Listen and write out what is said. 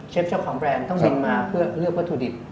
เจ้าของแบรนด์ต้องบินมาเพื่อเลือกวัตถุดิบ